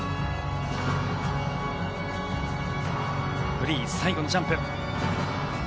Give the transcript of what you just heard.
フリー最後のジャンプ。